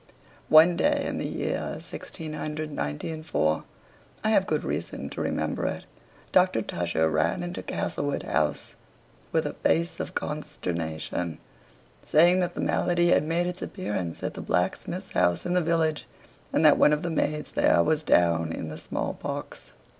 One day in the year 1694 (I have good reason to remember it), Doctor Tusher ran into Castlewood House, with a face of consternation, saying that the malady had made its appearance at the blacksmith's house in the village, and that one of the maids there was down in the small pox.